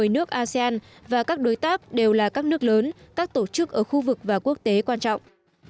một mươi nước asean và các đối tác đều là các nước lớn các tổ chức ở khu vực và quốc tế quan trọng